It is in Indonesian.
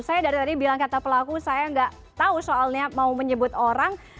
saya dari tadi bilang kata pelaku saya nggak tahu soalnya mau menyebut orang